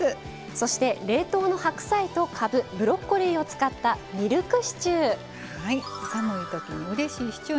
そして、冷凍の白菜とかぶ、ブロッコリーを使ったミルクシチュー作っていきます。